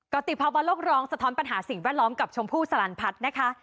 ติภาวะโลกร้องสะท้อนปัญหาสิ่งแวดล้อมกับชมพู่สลันพัฒน์นะคะ